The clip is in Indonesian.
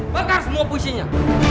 bakar semua pusingnya